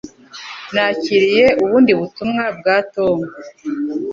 Nakiriye ubundi butumwa bwa Tom